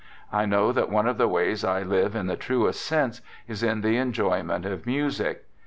I know that one of the ways I live in the truest sense is in the enjoyment of music.